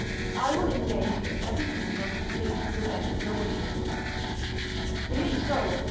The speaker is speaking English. I will engage that everything shall succeed to the bent of your wishes." "Be it so!"